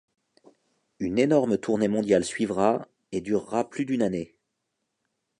Une énorme tournée mondiale suivra et durera plus d'une année.